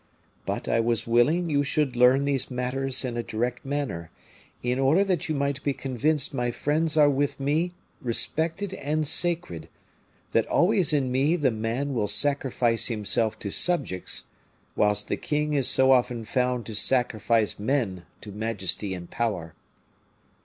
But I was willing you should learn these matters in a direct manner, in order that you might be convinced my friends are with me respected and sacred; that always in me the man will sacrifice himself to subjects, whilst the king is so often found to sacrifice men to majesty and power."